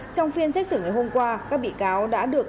trong phiên xét xử ngày hôm qua các bị cáo đã được